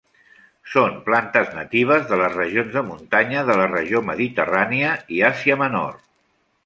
Són plantes natives de les regions de muntanya de la regió mediterrània i Àsia Menor.